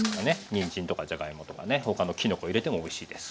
にんじんとかじゃがいもとかね他のきのこ入れてもおいしいです。